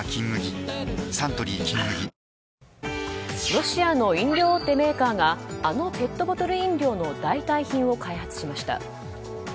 ロシアの飲料大手メーカーがあのペットボトル飲料の代替品を開発しました。